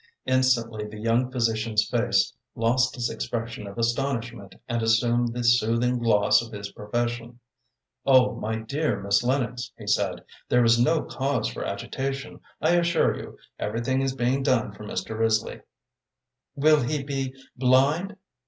Instantly the young physician's face lost its expression of astonishment and assumed the soothing gloss of his profession. "Oh, my dear Miss Lennox," he said, "there is no cause for agitation, I assure you. Everything is being done for Mr. Risley." "Will he be blind?"